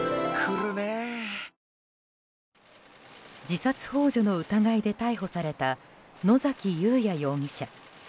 自殺ほう助の疑いで逮捕された野崎祐也容疑者。